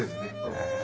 へえ。